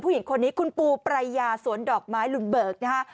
ผู้หญิงคนนี้คุณปูปรายยาสวนดอกไม้ลุนเบิกนะฮะ